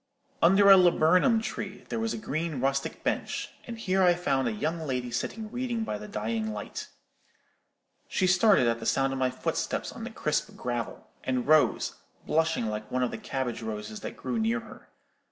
Under a laburnum tree there was a green rustic bench; and here I found a young lady sitting reading by the dying light. She started at the sound of my footsteps on the crisp gravel, and rose, blushing like one of the cabbage roses that grew near her.